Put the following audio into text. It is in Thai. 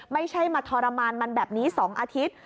ไม่ใช่มาทรมานมันแบบนี้๒อาทิตย์